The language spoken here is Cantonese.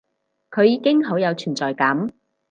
佢已經好有存在感